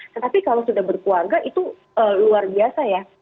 tetapi kalau sudah berkeluarga itu luar biasa ya